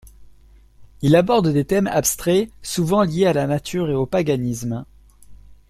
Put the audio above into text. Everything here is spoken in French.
Il aborde des thèmes abstraits, souvent liés à la nature et au paganisme.